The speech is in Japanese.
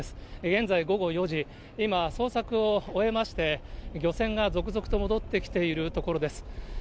現在午後４時、今、捜索を終えまして、漁船が続々と戻ってきているところです。